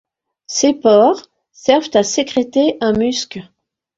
Ces pores servent à sécréter un musc.